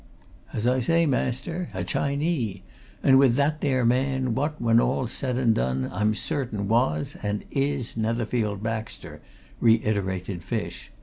"As I say, master, a Chinee, and with that there man, what, when all's said and done, I'm certain was and is Netherfield Baxter," reiterated Fish.